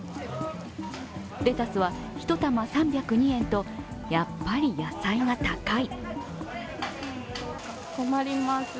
レタスは１玉３０２円とやっぱり野菜が高い。